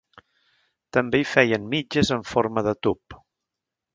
També hi feien mitges amb forma de tub.